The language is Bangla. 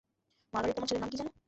মার্গারেট, তোমার ছেলের নাম কী যেন?